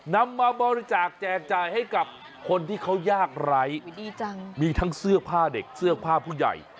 นำมาบริจาคแจกจ่ายให้กับคนที่เขายากไร้ดีจังมีทั้งเสื้อผ้าเด็กเสื้อผ้าผู้ใหญ่